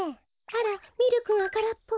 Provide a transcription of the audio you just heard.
あらミルクがからっぽ。